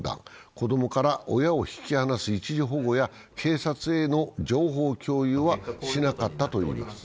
子供から親を引き離す一時保護や警察への情報共有はしなかったといいます。